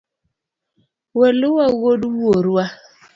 Weluwa wuod wuorwa.